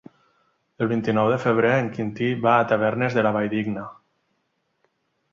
El vint-i-nou de febrer en Quintí va a Tavernes de la Valldigna.